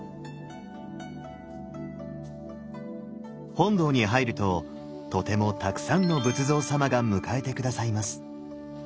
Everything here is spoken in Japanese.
本堂に入るととてもたくさんの仏像様が迎えて下さいます。